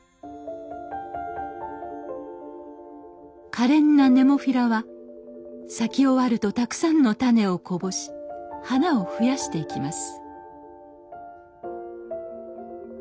かれんなネモフィラは咲き終わるとたくさんの種をこぼし花を増やしていきます